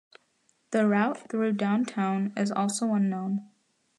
The route through downtown is also unknown.